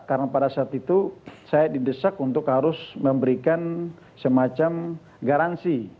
karena pada saat itu saya didesak untuk harus memberikan semacam garansi